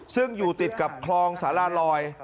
ซึ่งอยู่ติดกับคลองสาราลอย